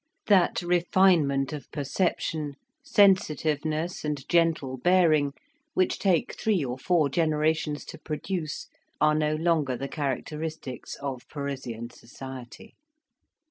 That refinement of perception, sensitiveness, and gentle bearing, which take three or four generations to produce, are no longer the characteristics of Parisian society.